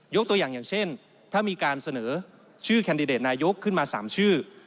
ตัวอย่างอย่างเช่นถ้ามีการเสนอชื่อแคนดิเดตนายกขึ้นมา๓ชื่อ